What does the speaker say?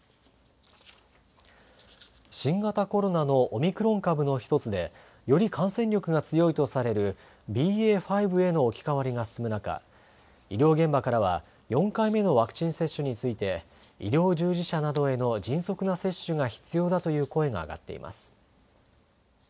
新型コロナのオミクロン株の一つで、より感染力が強いとされるＢＡ．５への置き換わりが進む中、医療現場からは４回目のワクチン接種について、医療従事者などへの迅速な接種が必要だという声が上がっています。